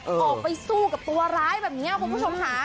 ออกไปสู้กับตัวร้ายแบบนี้คุณผู้ชมค่ะ